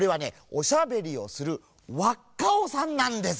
おしゃべりをする「わっカオ」さんなんです。